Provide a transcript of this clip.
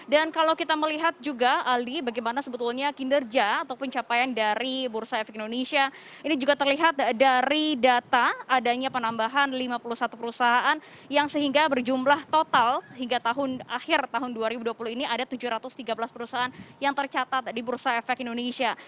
dan kalau kita melihat juga aldi bagaimana sebetulnya kinerja atau pencapaian dari bursa efek indonesia ini juga terlihat dari data adanya penambahan lima puluh satu perusahaan yang sehingga berjumlah total hingga tahun akhir tahun dua ribu dua puluh ini ada tujuh ratus tiga belas perusahaan yang tercatat di bursa efek indonesia